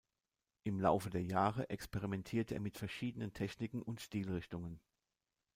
Im Laufe der Jahre experimentierte er mit verschiedenen Techniken und Stilrichtungen.